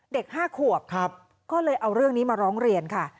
เด็ก๕ขวบก็เลยเอาเรื่องนี้มาร้องเรียนค่ะ